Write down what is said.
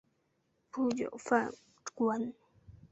不久贬官。